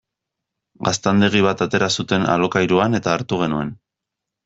Gaztandegi bat atera zuten alokairuan eta hartu genuen.